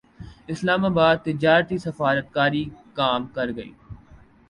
اسلام اباد تجارتی سفارت کاری کام کرگئی